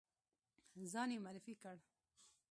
ځان یې معرفي کړ.